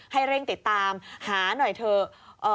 ให้เร่งติดตามหาหน่อยเถอะ